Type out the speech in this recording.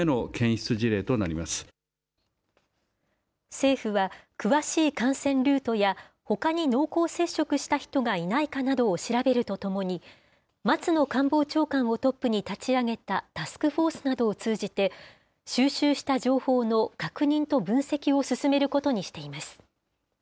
政府は、詳しい感染ルートや、ほかに濃厚接触した人がいないかなどを調べるとともに、松野官房長官をトップに立ち上げたタスクフォースなどを通じて、収集した情報の確認と分析を進めることにしています。